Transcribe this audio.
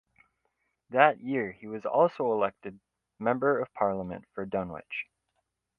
That year he was also elected Member of Parliament for Dunwich.